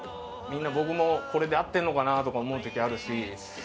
僕もこれで合ってるのかなとか思う時あるし。